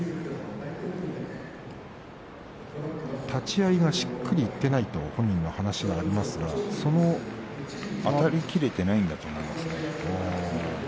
立ち合いがしっくりいっていないという本人の話がありますがあたりきれていないんじゃないかと思います。